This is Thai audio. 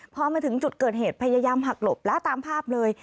พอมาถึงจุดเกิดเหตุพยายามหักหลบแล้วตามภาพเลย